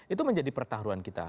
itu menjadi pertahuan kita